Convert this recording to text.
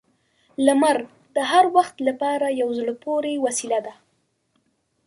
• لمر د هر وخت لپاره یو زړه پورې وسیله ده.